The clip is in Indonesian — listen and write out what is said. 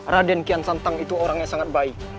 raden kian santang itu orang yang sangat baik